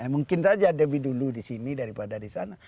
mungkin saja lebih dulu di sini daripada di sana